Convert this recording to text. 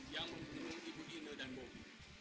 yang membunuh ibu inu dan bopi